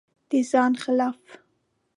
د ځان خلاف